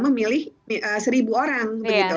memilih seribu orang